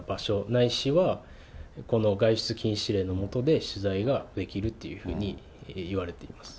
ないしは、この外出禁止令の下で取材ができるっていうふうにいわれています。